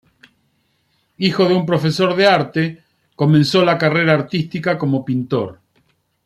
Hijo de un profesor de arte, comenzó la carrera artística como pintor.